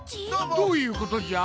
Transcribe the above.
どういうことじゃ？